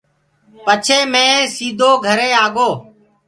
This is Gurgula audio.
پچهي مي سيٚدو گهري آگو۔